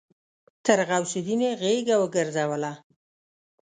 تر غوث الدين يې غېږه وګرځوله.